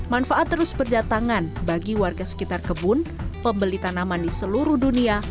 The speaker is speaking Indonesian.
manfaat terus berdatangan bagi warga sekitar kebun pembeli tanaman di seluruh dunia